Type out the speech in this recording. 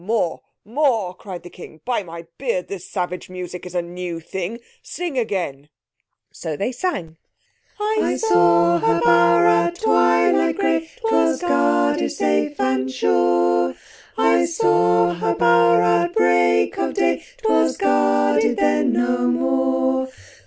"More, more," cried the King; "by my beard, this savage music is a new thing. Sing again!" So they sang: "I saw her bower at twilight gray, 'Twas guarded safe and sure. I saw her bower at break of day, 'Twas guarded then no more.